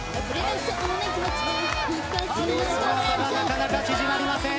差はなかなか縮まりません。